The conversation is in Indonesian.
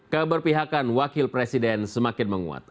keberpihakan wakil presiden semakin menguat